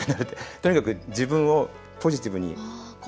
とにかく自分をポジティブに。